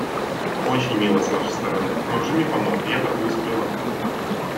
Очень мило с вашей стороны, но Джимми помог, я торгую с прилавка.